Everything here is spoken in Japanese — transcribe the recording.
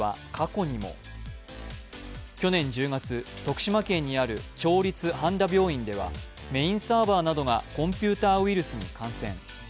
去年１０月、徳島県にある町立半田病院ではメーンサーバーなどがコンピューターウイルスに感染。